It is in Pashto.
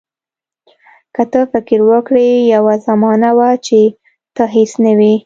که ته فکر وکړې یوه زمانه وه چې ته هیڅ نه وې.